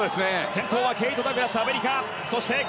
先頭はケイト・ダグラス、アメリカ。